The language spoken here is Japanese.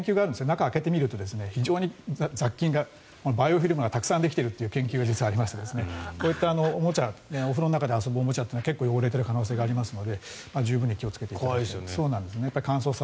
中を開けてみると非常に雑菌が、バイオフィルムがたくさんできているという研究がありましてこういったおもちゃお風呂の中で遊ぶおもちゃというのは結構汚れている可能性があるので十分に気をつけていただきたいです。